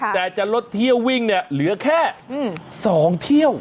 แต่จะลดเที่ยววิ่งเนี่ยเหลือแค่๒เที่ยว